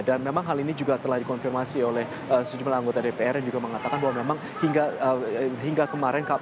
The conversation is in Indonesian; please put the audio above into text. dan memang hal ini juga telah dikonfirmasi oleh sejumlah anggota dpr yang juga mengatakan bahwa memang hingga kemarin